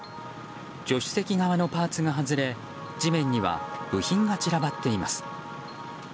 助手席側のパーツが外れ地面には部品が散らばっています。